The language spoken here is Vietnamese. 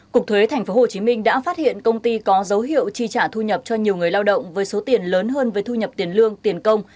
cục thuế tp hcm đã phát hiện công ty có dấu hiệu chi trả thu nhập cho nhiều người lao động với số tiền lớn hơn với thu nhập tiền lương tiền công